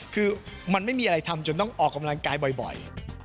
คือมันไม่มีอะไรทำจนต้องออกกำลังกายบ่อย